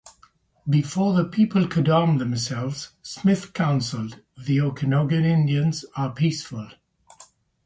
Before the people could arm themselves, Smith counseled, The Okanogan Indians are peaceful.